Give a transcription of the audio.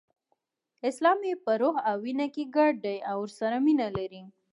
اسلام یې په روح او وینه کې ګډ دی او ورسره مینه لري.